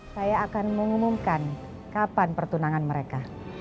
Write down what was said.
saya akan mengumumkan kapan pertunangan mereka